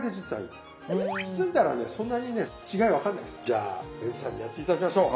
じゃあウエンツさんにやって頂きましょう。